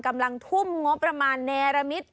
กำลังทุ่มงบประมาณเนรมิต